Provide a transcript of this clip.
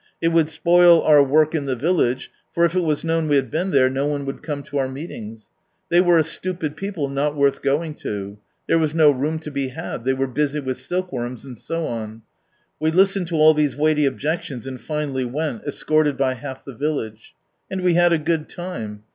It would spoil our work in the village, for if it was known we had been there, no one would come to our meetings. They were a stupid people, not worth going to. There was no room to be had, they were busy with silk worms, and so on. We listened to all these weighty objeclions, and finally went, escorted by half the village. And we had a good time.